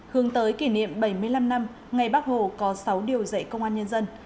hướng tới kỷ niệm bảy mươi năm năm ngày bắc hồ có sáu điều dạy công an nhân dân